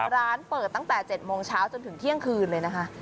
ร้านเปิดตั้งแต่๗โมงเช้าจนถึงเที่ยงคืนเลยนะคะ